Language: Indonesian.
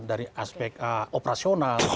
dari aspek operasional